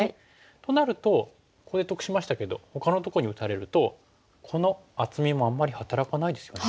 となるとここで得しましたけどほかのとこに打たれるとこの厚みもあんまり働かないですよね。